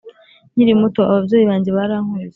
Nkiri muto ababyeyi banjye barankubise